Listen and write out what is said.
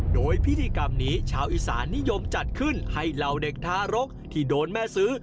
โดยพิธีกรรมนี้ชาวอีสานนิยมจัดขึ้นให้เหล่าเด็กทารกที่โดนแม่ซื้อ